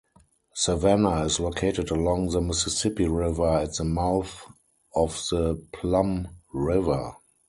Savanna is located along the Mississippi River at the mouth of the Plum River.